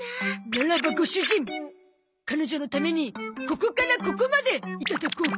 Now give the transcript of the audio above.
ならばご主人彼女のためにここからここまでいただこうか。